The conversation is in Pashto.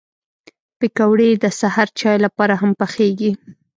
پکورې د سهر چای لپاره هم پخېږي